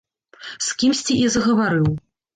З кімсьці і загаварыў!